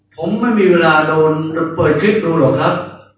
ผมไม่มีเวลาโดนเปิดคลิปดูหรอกครับ